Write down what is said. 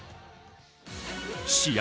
試合